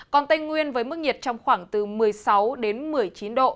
còn tây nguyên với mức nhiệt trong khoảng từ một mươi sáu đến một mươi chín độ